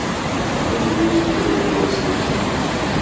Antônio Rilson Pereira da Silva